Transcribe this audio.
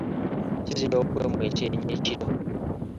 Kizira okwemwa ekyenyi ekiro.